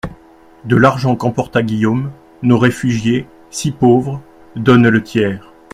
De l'argent qu'emporta Guillaume, nos réfugiés, si pauvres, donnent le tiers.